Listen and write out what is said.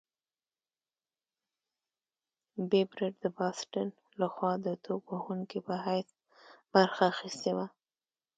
بېب رت د باسټن لخوا د توپ وهونکي په حیث برخه اخیستې وه.